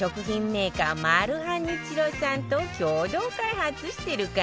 メーカーマルハニチロさんと共同開発してるから